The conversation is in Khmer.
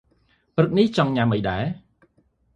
ព្រឹកនេះចង់ញ៉ាំអីដែរ ។